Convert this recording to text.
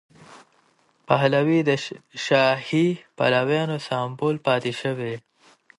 پهلوي د شاهي پلویانو سمبول پاتې شوی.